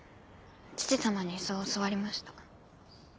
父様にそう教わりました。